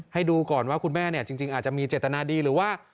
ให้ดูก่อนว่าคุณแม่จริงอาจจะมีเจตนาดีหรือว่า